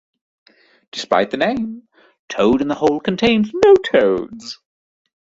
Despite the name, toad in the hole contains no toads.